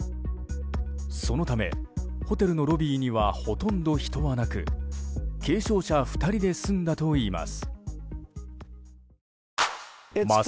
そのため、ホテルのロビーにはほとんど人はなく軽傷者２人で済んだといいます。